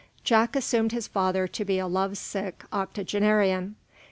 Jack assumed his father to be a love sick octogenarian.